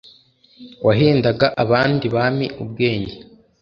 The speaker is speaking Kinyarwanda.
wahendaga abandi bami ubwenge,